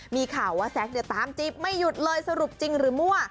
มีข่าวว่าแซ็กเนี่ยตามจีบไม่หยุดเลยสรุปจริงหรือมั่ว